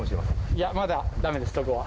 いや、まだだめです、そこは。